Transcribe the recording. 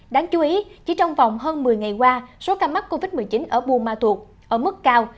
đáng chú ý chỉ trong vòng hơn một mươi ngày qua số ca mắc covid một mươi chín ở bumatut ở mức cao